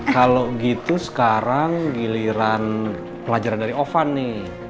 kalau gitu sekarang giliran pelajaran dari ovan nih